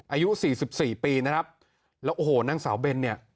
อายุสี่สิบสี่ปีนะครับแล้วโอ้โหนางสาวเบนเนี่ย